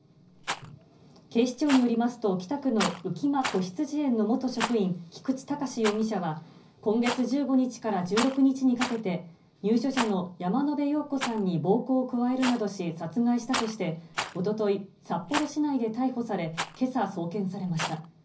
警視庁によりますと、北区の浮間こひつじ園の元職員、菊池隆容疑者は、今月１５日から１６日にかけて、入所者の山野辺陽子さんに暴行を加えるなどし殺害したとして、おととい、札幌市内で逮捕され、けさ送検されました。